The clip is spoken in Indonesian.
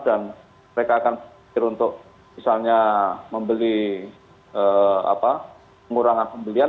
dan mereka akan berusaha untuk misalnya membeli pengurangan pembelian